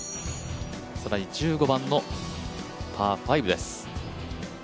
更に１５番のパー５です。